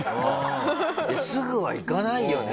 すぐはいかないよね。